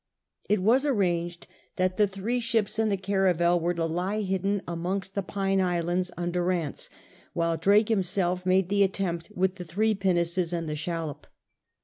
It was arranged that the three ships and the caravel were to lie hidden amongst the Pine Islands under Ranse, while Drake himself made the attempt with the three pinnaces and the shallop.